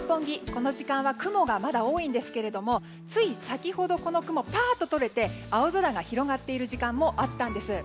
この時間は雲がまだ多いんですけどつい先ほどこの雲がとれて青空が広がっている時間もあったんです。